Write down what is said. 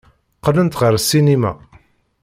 Qqlent ɣer ssinima.